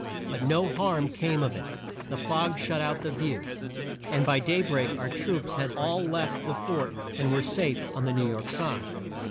But no harm came of it, the fog shut out the view, and by day break our troops had all left the fort and were safe on the New York side.